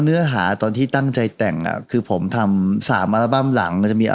เนื้อหาเนี่ย